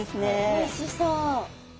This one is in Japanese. おいしそう。